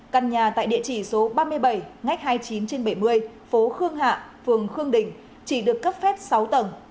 căn nhà tại địa chỉ số ba mươi bảy ngách hai mươi chín trên bảy mươi phố khương hạ phường khương đình chỉ được cấp phép sáu tầng